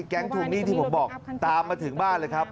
ทวงหนี้ที่ผมบอกตามมาถึงบ้านเลยครับ